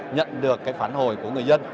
nhận được cái phản hồi của người dân